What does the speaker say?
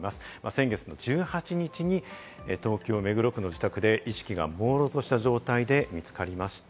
先月１８日に東京・目黒区の自宅で意識がもうろうとした状態で見つかりました。